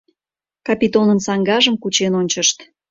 Капитонын саҥгажым кучен ончышт.